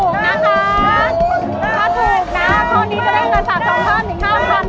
ถูกนะคะ